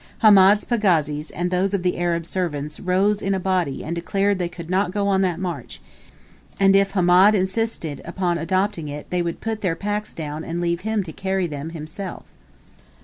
Hamed's pagazis, and those of the Arab servants, rose in a body and declared they could not go on that march, and if Hamed insisted upon adopting it they would put their packs down and leave him to carry them himself.